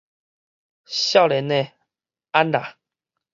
少年吔，安啦！